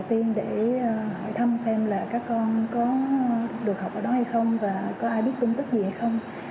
đầu tiên để hỏi thăm xem là các con có được học ở đó hay không và có ai biết tung tích gì hay không